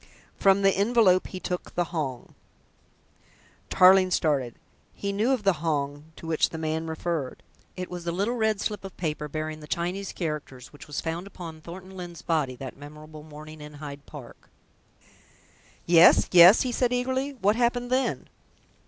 From the envelope he took the Hong." Tarling started. He knew of the Hong to which the man referred. It was the little red slip of paper bearing the Chinese characters which was found upon Thornton Lyne's body that memorable morning in Hyde Park. "Yes, yes," he said eagerly. "What happened then?"